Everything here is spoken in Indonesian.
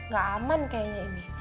gak aman kayaknya ini